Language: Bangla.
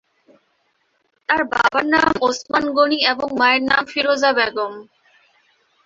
তার বাবার নাম ওসমান গণি এবং মায়ের নাম ফিরোজা বেগম।